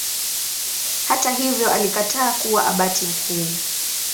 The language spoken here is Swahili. Hata hivyo alikataa kuwa Abati mkuu.